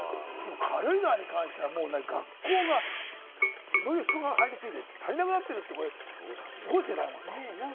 軽井沢に関してはもう学校が人が入りすぎて足りなくなってるってすごいですね、大門さん。